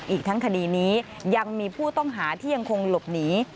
อีกทั้งคดีนี้ยังมีผู้ต้องหาที่ยังคงหลบหนี